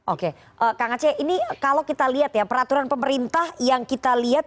oke kak naceh ini kalau kita lihat peraturan pemerintah yang kita lihat